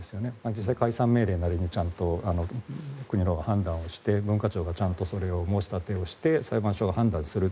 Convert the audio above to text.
実際に解散命令なりでちゃんと国が判断をして文化庁がそれを申し立てして裁判所が判断する。